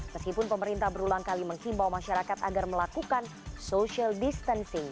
meskipun pemerintah berulang kali menghimbau masyarakat agar melakukan social distancing